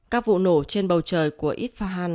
các vụ nổ trên bầu trời của ifahan